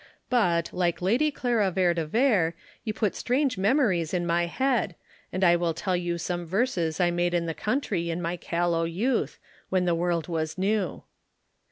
"But, like Lady Clara Vere de Vere, you put strange memories in my head, and I will tell you some verses I made in the country in my callow youth, when the world was new.